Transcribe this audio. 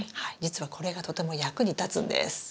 実はこれがとても役に立つんです。